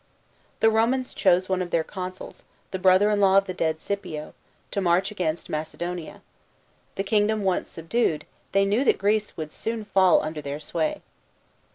The Romans now chose one of their consuls, the brother in law of the dead Scipio, to march against Macedonia. That kingdom once subdued, they knew that Greece would soon fall under their sway.